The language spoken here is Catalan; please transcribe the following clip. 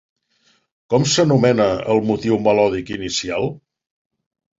Com s'anomena el motiu melòdic inicial?